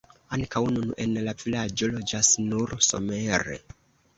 Ankaŭ nun en la vilaĝo loĝas nur somere.